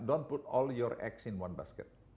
jangan letakkan semua telur anda di satu kotak